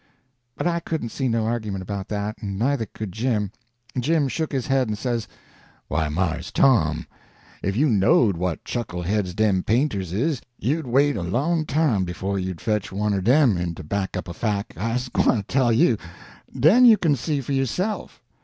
But I couldn't see no argument about that, and neither could Jim. Jim shook his head, and says: "Why, Mars Tom, if you knowed what chuckle heads dem painters is, you'd wait a long time before you'd fetch one er dem in to back up a fac'. I's gwine to tell you, den you kin see for you'self.